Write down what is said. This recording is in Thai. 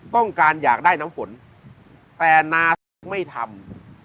ต้องการอยากได้น้ำฝนแต่นาศึกไม่ทำ